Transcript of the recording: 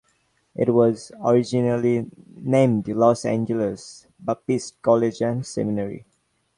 It was originally named Los Angeles Baptist College and Seminary.